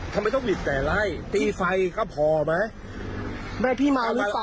ทำไมต้องบิดแต่รายตีไฟก็พอไหม